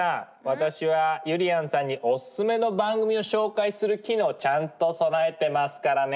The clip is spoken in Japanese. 私はゆりやんさんにおすすめの番組を紹介する機能をちゃんと備えてますからね。